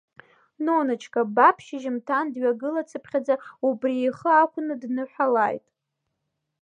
Ноначка, баб шьыжьымҭан дҩагылацыԥхьаӡа, убри ихы ақәкны дныҳәалааит…